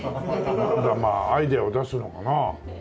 まあアイデアを出すのかな。